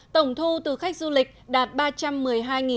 tổng thu từ khách du lịch đạt ba triệu đô la mỹ